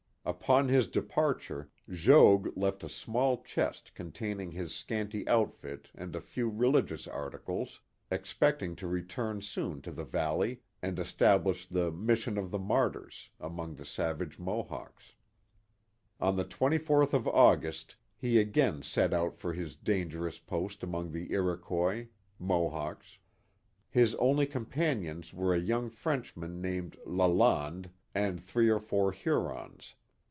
Upon his departure, Jogues left a small chest containing his scanty outfit and a few religious articles, expecting to return soon to the valley and establish the Mis sion of the Martyrs *' among the savage Mohawks. On the 24th of August he again set out for his dangerous post among the Iroquois (Mohawks). His only companions were a young Frenchman named Lalande, and three or four Hurons.